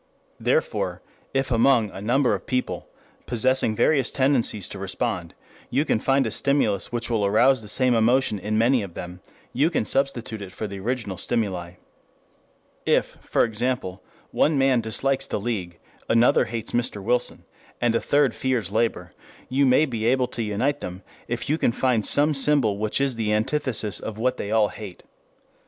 Therefore, if among a number of people, possessing various tendencies to respond, you can find a stimulus which will arouse the same emotion in many of them, you can substitute it for the original stimuli. If, for example, one man dislikes the League, another hates Mr. Wilson, and a third fears labor, you may be able to unite them if you can find some symbol which is the antithesis of what they all hate.